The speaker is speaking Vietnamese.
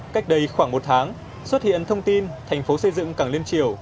cách đây khoảng một tháng xuất hiện thông tin thành phố xây dựng cảng liên triều